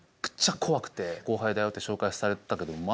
後輩だよって紹介されたけどま